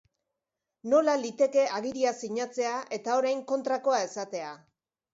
Nola liteke agiria sinatzea eta orain kontrakoa esatea.